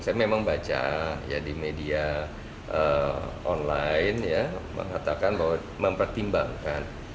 saya memang baca di media online ya mengatakan bahwa mempertimbangkan